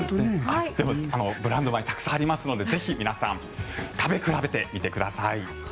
ブランド米たくさんありますのでぜひ皆さん食べ比べてみてください。